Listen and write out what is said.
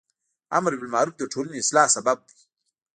امر بالمعروف د ټولنی اصلاح سبب دی.